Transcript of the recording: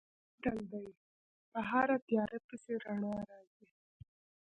متل دی: په هره تیاره پسې رڼا راځي.